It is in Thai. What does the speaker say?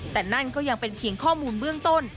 แต่นั่นก็ยังเป็นเพียงข้อมูลเบื้องต้น